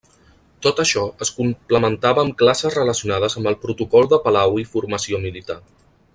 Tot això es complementava amb classes relacionades amb el protocol de palau i formació militar.